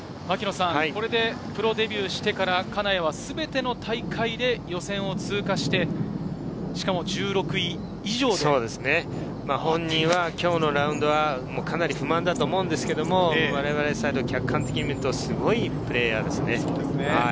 これでプロデビューしてから金谷は全ての大会で予選を通過して、本人は今日のラウンドはかなり不満だと思うんですけど、我々サイド、客観的に見ると、すごいプレーヤーですね。